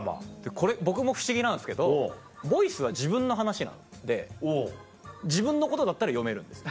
これ僕も不思議なんですけど『ボイス』は自分の話なんで自分のことだったら読めるんです。